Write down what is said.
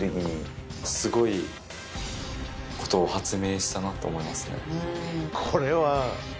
すごい事を発明したなと思いますね。